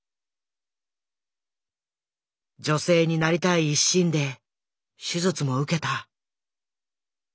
女性になりたい一心で手術も受けた。